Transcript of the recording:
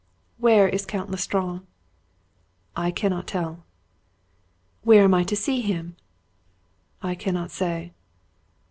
"Where is Count L'Estrange?" "I cannot tell." "Where am I to see him?" "I cannot say."